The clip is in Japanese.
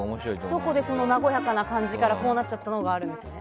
どこでその和やかな感じからこうなっちゃったの？があるんですね。